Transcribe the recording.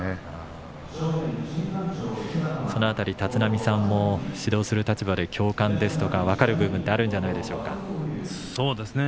その辺り、立浪さんも指導する立場で共感や分かる部分があるんじゃないでしょうか。